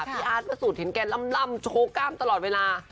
พี่อาร์ดมาสู่เทียนแกนลำโชว์กล้ามตลอดเวลา